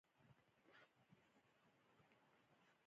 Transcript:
افغانستان کې د غرونه په اړه زده کړه کېږي.